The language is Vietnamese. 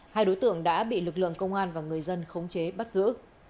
hai đối tượng đã bị lực lượng công an và người dân khống chế bắt giữ